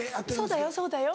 そうだよそうだよ。